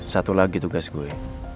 satu lagi tugas gue